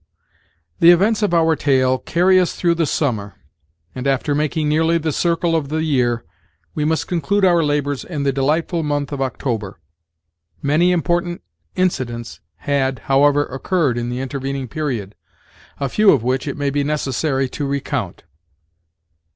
The events of our tale carry us through the summer; and after making nearly the circle of the year, we must conclude our labors in the delightful month of October. Many important incidents had, however, occurred in the intervening period; a few of which it may be necessary to recount.